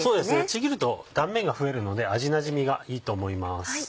ちぎると断面が増えるので味なじみがいいと思います。